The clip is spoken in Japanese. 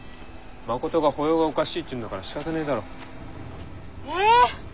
誠が歩様がおかしいって言うんだからしかたねえだろう。え。